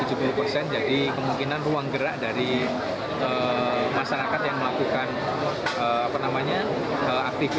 jadi kemungkinan ruang gerak dari masyarakat yang melakukan aktivitas drop off di terminal baru bandara depati amir ini